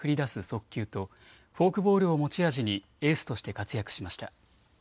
速球とフォークボールを持ち味にエースとして活躍しました。